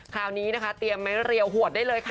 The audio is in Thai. คราวนี้นะคะเตรียมไม้เรียวหวดได้เลยค่ะ